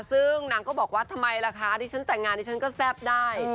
ซึ่งนางก็บอกว่าทำไมล่ะคะดิฉันแต่งงานดิฉันก็แซ่บได้